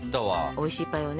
おいしいパイをね